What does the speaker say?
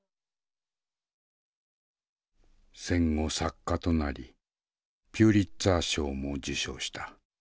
戦後作家となりピュリツァー賞も受賞した。